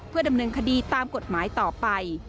เพื่อดำเนินคดีตามกฎหมายต่อไป